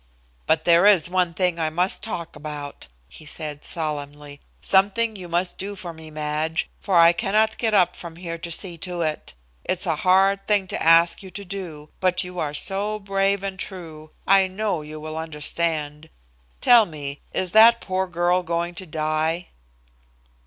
"But there is one thing I must talk about," he said solemnly, "something you must do for me, Madge, for I cannot get up from here to see to it. It's a hard thing to ask you to do, but you are so brave and true, I know you will understand. Tell me, is that poor girl going to die?"